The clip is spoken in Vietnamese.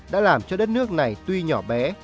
đã làm cho đất nước này tuy nhỏ bé